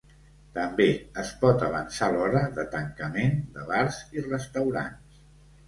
També es pot avançar l’hora de tancament de bars i restaurants.